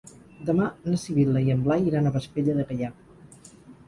Demà na Sibil·la i en Blai iran a Vespella de Gaià.